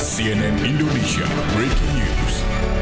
cnn indonesia breaking news